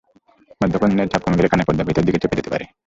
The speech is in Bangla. মধ্যকর্ণে চাপ কমে গেলে কানের পর্দা ভেতরের দিকে চেপে যেতে পারে।